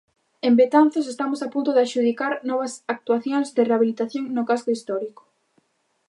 En Betanzos estamos a punto de adxudicar novas actuacións de rehabilitación no casco histórico.